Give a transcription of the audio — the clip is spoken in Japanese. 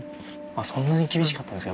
そんなに厳しかったんですか？